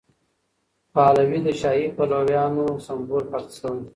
پهلوي د شاهي پلویانو سمبول پاتې شوی.